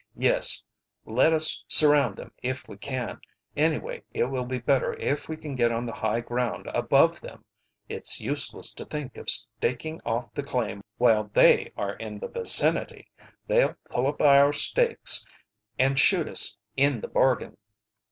"Yes, let us surround them if we can. Anyway, it will be better if we get on the high ground above them. It's useless to think of staking off the claim while they are in the vicinity. They'll pull up our stakes, and shoot us in the bargain."